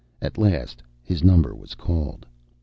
At last his number was called.